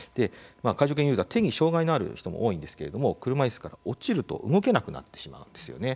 介助犬ユーザー、手に障害のある人も多いんですけれども車いすから落ちると動けなくなってしまうんですよね。